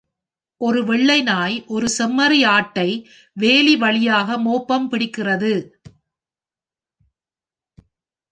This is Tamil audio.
ஒரு வெள்ளை நாய் ஒரு செம்மறிஆட்டை வேலி வழியாக மோப்பம் பிடிக்கிறது.